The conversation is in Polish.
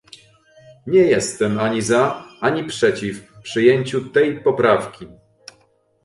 Nie jestem ani za, ani przeciw przyjęciu tej poprawki